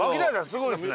すごいですね。